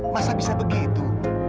masa bisa begitu